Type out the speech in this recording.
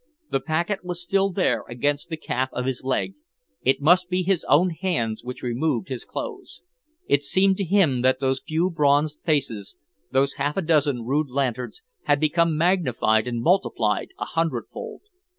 The packet was still there against the calf of his leg. It must be his own hands which removed his clothes. It seemed to him that those few bronzed faces, those half a dozen rude lanterns, had become magnified and multiplied a hundredfold.